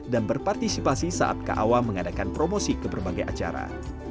dan memotivasi saat kawa mengadakan promosi ke berbagai acara